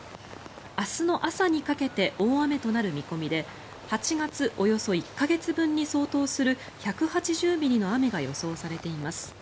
明日の朝にかけて大雨となる見込みで８月およそ１か月分に相当する１８０ミリの雨が予想されています。